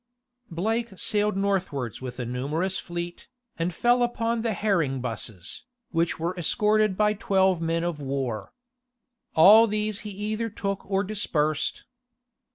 Blake sailed northwards with a numerous fleet, and fell upon the herring busses, which were escorted by twelve men of war. All these he either took or dispersed.